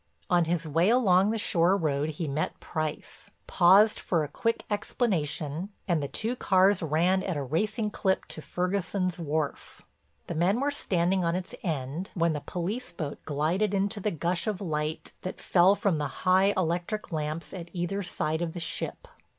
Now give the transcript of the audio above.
On his way along the shore road he met Price, paused for a quick explanation, and the two cars ran at a racing clip to Ferguson's wharf. The men were standing on its end when the police boat glided into the gush of light that fell from the high electric lamps at either side of the ship.